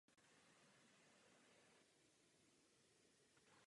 Africký veterán vyplul na moře ještě dvakrát.